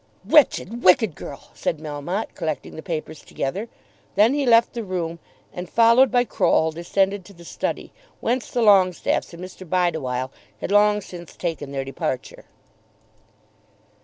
"] "Wretched, wicked girl!" said Melmotte, collecting the papers together. Then he left the room, and followed by Croll descended to the study, whence the Longestaffes and Mr. Bideawhile had long since taken their departure.